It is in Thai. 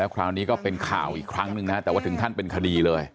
คราวนี้ก็เป็นข่าวอีกครั้งนึงนะแต่ว่าถึงขั้นเป็นคดีเลย